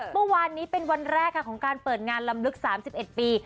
เมื่อวานนี้เป็นวันแรกค่ะของการเปิดงานลำลึก๓๑ปี